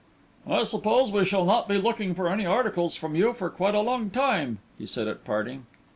"I suppose we shall not be looking for any articles from you for quite a long time," he said, at parting.